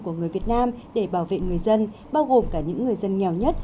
của người việt nam để bảo vệ người dân bao gồm cả những người dân nghèo nhất